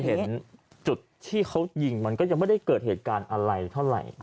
เห็นจุดที่เขายิงมันก็ยังไม่ได้เกิดเหตุการณ์อะไรเท่าไหร่